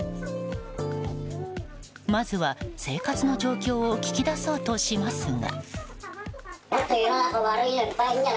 まずは、生活の状況を聞き出そうとしますが。